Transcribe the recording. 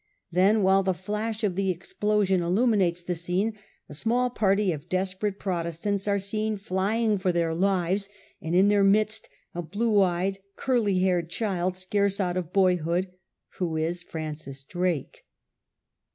Then, while the flash of the explosion illuminates the scene, a small party of desperate Protest ants are seen flying for their lives, and in their midst a blue eyed, curly haired child, scarce out of babyhood, who is Francis Drake.